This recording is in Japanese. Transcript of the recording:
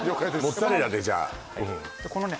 モッツァレラでじゃあこのね